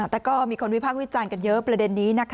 แต่ก็มีคนวิพากษ์วิจัยกันเยอะประเด็นนี้